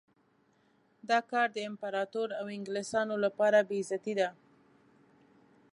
دا کار د امپراطور او انګلیسیانو لپاره بې عزتي ده.